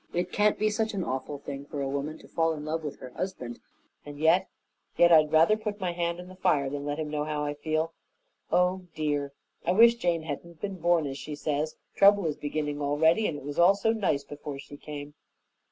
It can't be such an awful thing for a woman to fall in love with her husband, and yet yet I'd rather put my hand in the fire than let him know how I feel. Oh, dear! I wish Jane hadn't been born, as she says. Trouble is beginning already, and it was all so nice before she came."